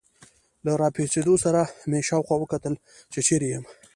له راپاڅېدو سره مې شاوخوا وکتل، چې چیرې یم.